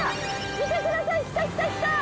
見てください。来た来た来た。